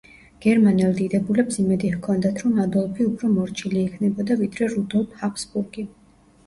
გერმანელ დიდებულებს იმედი ჰქონდათ რომ ადოლფი უფრო მორჩილი იქნებოდა ვიდრე რუდოლფ ჰაბსბურგი.